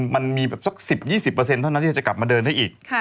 มันมีแบบสัก๑๐๒๐เท่านั้นที่จะกลับมาเดินได้อีก